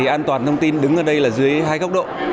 an toàn thông tin đứng ở đây là dưới hai góc độ